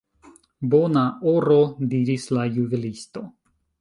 Bona oro, diris la juvelisto.